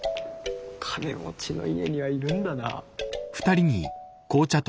金持ちの家にはいるんだな。